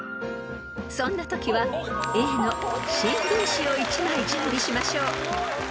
［そんなときはＡの新聞紙を１枚準備しましょう］